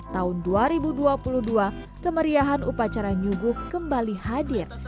tahun dua ribu dua puluh dua kemeriahan upacara nyuguh kembali hadir